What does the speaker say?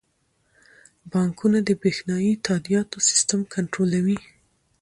بانکونه د بریښنايي تادیاتو سیستم کنټرولوي.